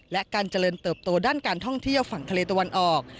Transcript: และการเจริญเติบโตด้านการท่องเที่ยวฝั่งทะเลตะวันออก